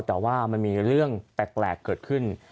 แต่ว่ามันมีเรื่องแปลกเกิดขึ้น